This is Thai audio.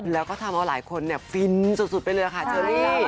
แล้วก็ทำเอาหลายคนฟินสุดไปเลยค่ะเชอรี่